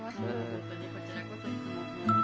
本当にこちらこそいつも。